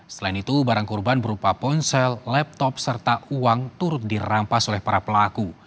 selain itu barang kurban berupa ponsel laptop serta uang turut dirampas oleh para pelaku